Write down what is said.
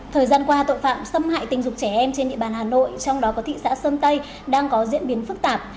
thời gian qua tội phạm xâm hại tình dục trẻ em trên địa bàn hà nội trong đó có thị xã sơn tây đang có diễn biến phức tạp